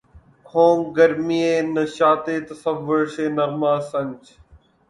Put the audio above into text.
ہوں گرمیِ نشاطِ تصور سے نغمہ سنج